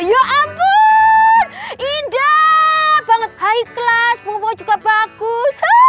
ya ampun indah banget high class punggung juga bagus